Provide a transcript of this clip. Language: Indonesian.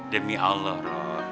demi allah roh